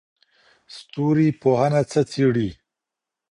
ستوري پوهنه څه څېړي؟